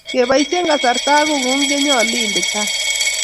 Keboisye kasarta ako kong'ung' konyolu inde tai.